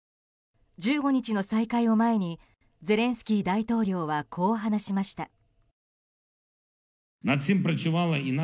１５日の再開を前にゼレンスキー大統領はこう話しました。